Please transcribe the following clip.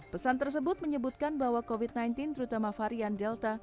pesan tersebut menyebutkan bahwa covid sembilan belas terutama varian delta